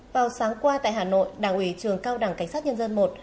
vào sáng qua tại hà nội đảng ủy trường cao đẳng cảnh sát nhân dân i